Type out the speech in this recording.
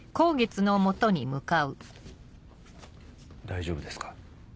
大丈夫ですか？